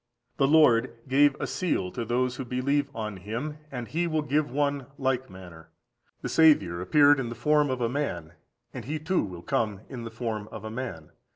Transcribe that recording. The Lord gave a seal to those who believed on Him, and he will give one in like manner. The Saviour appeared in the form of man, and he too will come in the form of a man.